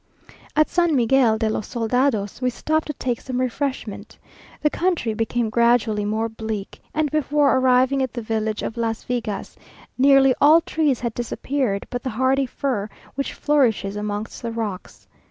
At San Miguel de los Soldados we stopped to take some refreshment. The country became gradually more bleak, and before arriving at the village of Las Vigas, nearly all trees had disappeared but the hardy fir, which flourishes amongst the rocks.